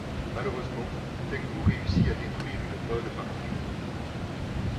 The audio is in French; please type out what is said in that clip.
Malheureusement, Tengu réussit à détruire une bonne partie du monde.